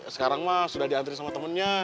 sekarang mah sudah diantri sama temennya